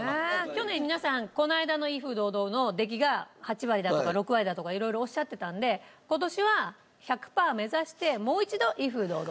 去年皆さんこの間の『威風堂々』の出来が８割だとか６割だとか色々おっしゃってたんで今年は１００パー目指してもう一度『威風堂々』。